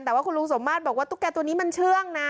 แต่ว่าคุณลุงสมมาตรบอกว่าตุ๊กแก่ตัวนี้มันเชื่องนะ